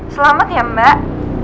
selamat ya mbak